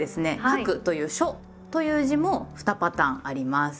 「『書』く」という「書」という字も２パターンあります。